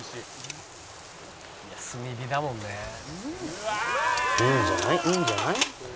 「炭火だもんね」いいんじゃない？いいんじゃない？